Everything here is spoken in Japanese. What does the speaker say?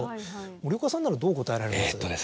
森岡さんならどう答えられます？